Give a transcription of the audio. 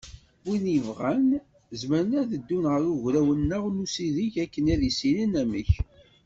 Wid yebɣan, zemren ad d-ddun ɣer ugraw-nneɣ n usideg akken ad issinen amek.